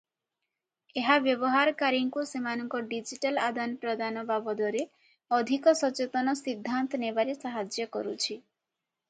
ଏହା ବ୍ୟବହାରକାରୀମାନଙ୍କୁ ସେମାନଙ୍କ ଡିଜିଟାଲ ଆଦାନପ୍ରଦାନ ବାବଦରେ ଅଧିକ ସଚେତନ ସିଦ୍ଧାନ୍ତ ନେବାରେ ସାହାଯ୍ୟ କରୁଛି ।